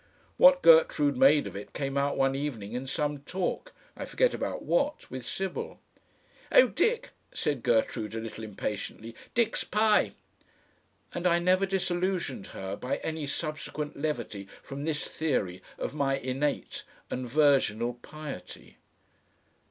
What Gertrude made of it came out one evening in some talk I forget about what with Sybil. "Oh, Dick!" said Gertrude a little impatiently, "Dick's Pi." And I never disillusioned her by any subsequent levity from this theory of my innate and virginal piety.